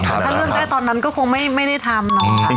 ถ้าเลือกได้ตอนนั้นก็คงไม่ได้ทำเนาะ